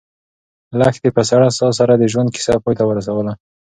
لښتې په سړه ساه سره د ژوند کیسه پای ته ورسوله.